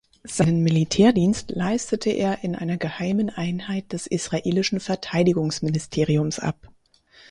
Seinen Militärdienst leistete er in einer geheimen Einheit des israelischen Verteidigungsministeriums ab.